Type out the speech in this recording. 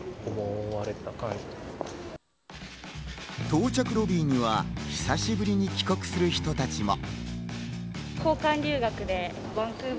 到着ロビーには久しぶりに帰国する人たちも。